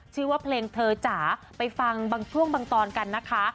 ชื่อว่าเพลงเธอจ๋าไปฟังบางช่วงบางตอนกันนะคะ